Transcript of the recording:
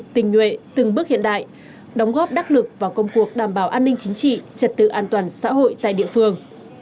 tình nguyện từng bước hiện đại đóng góp đắc lực vào công cuộc đảm bảo an ninh chính trị trật tự an toàn xã hội tại địa phương